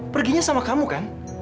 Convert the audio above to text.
perginya sama kamu kan